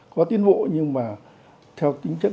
có tiến bộ nhưng mà theo tính chất